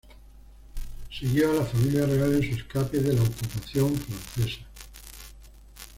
Siguió a la familia real en su escape de la ocupación francesa.